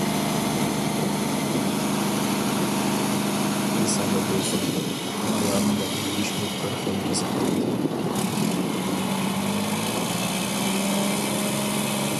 ئېسىڭدە بولسۇن ھايا بىلەن يۈرۈشمۇ بىر خىل نازاكەت.